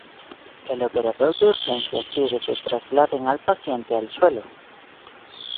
El operador de urgencias pide que trasladen al paciente al suelo.